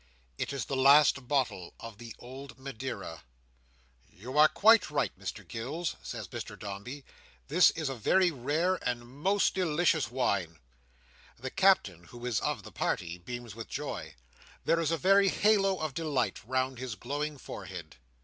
It is the last bottle of the old Madiera. "You are quite right, Mr Gills," says Mr Dombey. "This is a very rare and most delicious wine." The Captain, who is of the party, beams with joy. There is a very halo of delight round his glowing forehead.